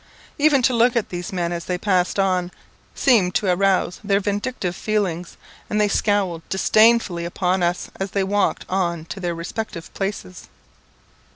Even to look at these men as they passed on, seemed to arouse their vindictive feelings, and they scowled disdainfully upon us as they walked on to their respective places.